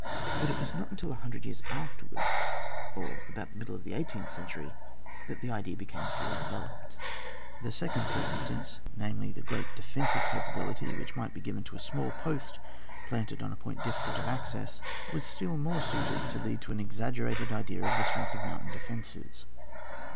But it was not until a hundred years afterwards, or about the middle of the eighteenth century, that the idea became fully developed. 120 ON WAR. [book VI. The second circumstance, namely, the great defensiye capability which might be given to a small post planted on a point difficult of access, was still more suited to lead to an exaggerated idea of the strength of mountain defences.